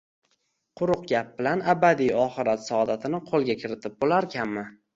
quruq gap bilan abadiy oxirat saodatini qo‘lga kiritib bo‘larkanmi?!.